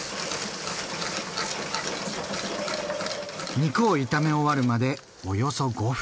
肉を炒め終わるまでおよそ５分。